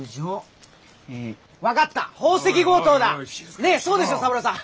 ねえそうでしょう三郎さん！